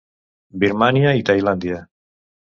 Birmània i Tailàndia.